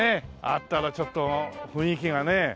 あったらちょっと雰囲気がね。